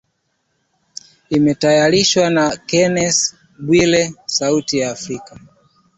Imetayarishwa na Kennes Bwire, Sauti ya Afrika.